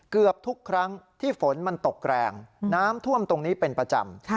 เกือบทุกครั้งที่ฝนมันตกแรงน้ำท่วมตรงนี้เป็นประจำ